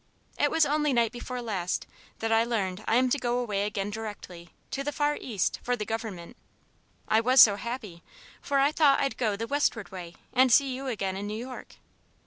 It was only night before last that I learned I am to go away again directly, to the Far East, for the Government; and I was so happy, for I thought I'd go the westward way and see you again in New York.